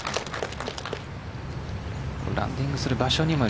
ランディングする場所にも。